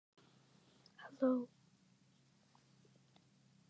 Some of the station's programming is carried on other radio stations.